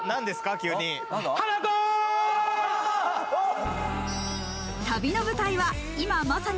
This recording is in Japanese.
急に。